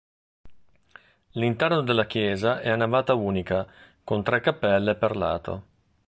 L'interno della chiesa è a navata unica con tre cappelle per lato.